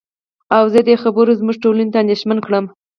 او زه دې خبرې زمونږ ټولنې ته اندېښمن کړم.